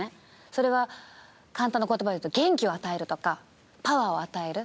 それは簡単な言葉でいうと「元気を与える」とか「パワーを与える」。